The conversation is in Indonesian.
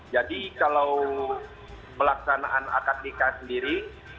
jadi kalau pelaksanaan akademikah sendiri